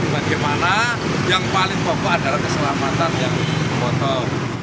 bagaimana yang paling bapak adalah keselamatan yang memotong